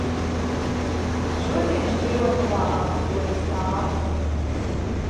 Šodien Šķirotavā atlidoja stārķi.